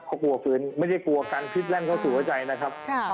เขากลัวฟื้นไม่ได้กลัวการพิษแล่นเข้าสู่หัวใจนะครับ